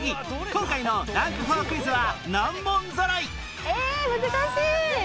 今回のランク４クイズは難問ぞろい